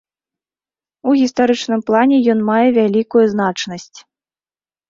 У гістарычным плане ён мае вялікую значнасць.